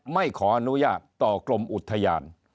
ไม่ขออนุญาตต่อกรมอุทยาน